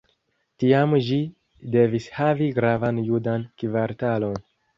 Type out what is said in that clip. Tiam ĝi devis havi gravan judan kvartalon.